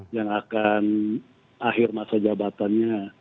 yang akan akhir masa jabatannya